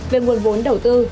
về nguồn vốn đầu tư